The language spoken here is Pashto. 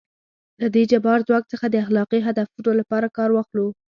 له دې جبار ځواک څخه د اخلاقي هدفونو لپاره کار واخلو.